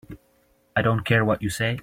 I don't care what you say.